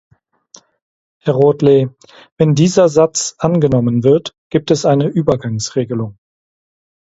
Herr Rothley, wenn dieser Satz angenommen wird, gibt es eine Übergangsregelung.